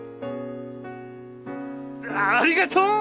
ありがとう！